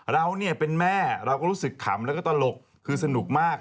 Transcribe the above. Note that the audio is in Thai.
เราเนี่ยเป็นแม่เราก็รู้สึกขำแล้วก็ตลกคือสนุกมาก